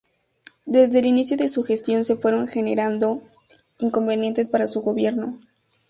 Desde el inicio de su gestión se fueron generando inconvenientes para su Gobierno.